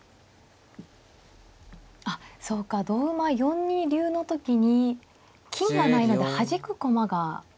あっそうか同馬４二竜の時に金がないのではじく駒が。